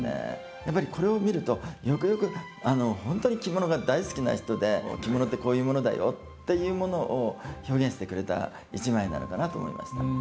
やっぱりこれを見るとよくよく本当に着物が大好きな人で着物ってこういうものだよっていうものを表現してくれた一枚なのかなと思いました。